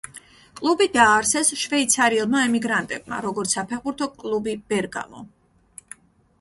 კლუბი დააარსეს შვეიცარიელმა ემიგრანტებმა, როგორც საფეხბურთო კლუბი „ბერგამო“.